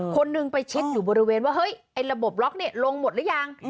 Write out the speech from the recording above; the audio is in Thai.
คนหนึ่งไปเช็คอยู่บริเวณว่าเข้ยระบบล็อกลงหมดรึยัง